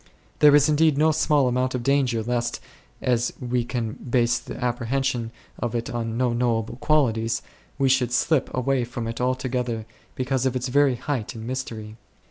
There is indeed no small amount of danger lest, as we can base the apprehension of it on no knowable qualities, we should slip away from it altogether because of its very height and mystery.